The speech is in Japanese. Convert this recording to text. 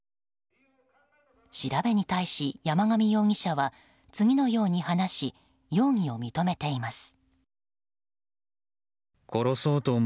調べに対し山上容疑者は次のように話し容疑を認めています。